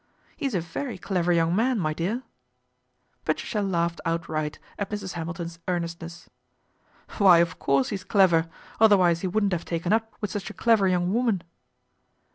He's a very clever young man, my dear." Patricia laughed outright at Mrs. Hamilton's earnestness. ' Why of course he's clever, other wise he wouldn't have taken up with such a clever young woman."